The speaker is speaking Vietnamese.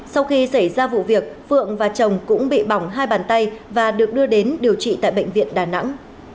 sau khi xảy ra vụ việc phượng và chồng cũng bị bỏng hai bàn tay và được đưa đến điều trị tại bệnh viện đà nẵng